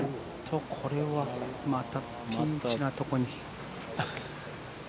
これはまたピンチなところに。